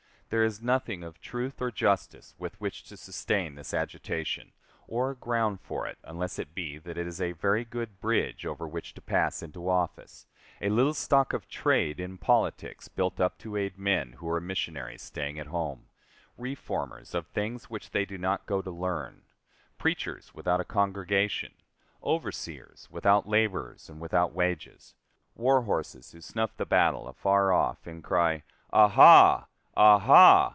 There is nothing of truth or justice with which to sustain this agitation, or ground for it, unless it be that it is a very good bridge over which to pass into office; a little stock of trade in politics built up to aid men who are missionaries staying at home; reformers of things which they do not go to learn; preachers without a congregation; overseers without laborers and without wages; war horses who snuff the battle afar off and cry: "Aha! aha!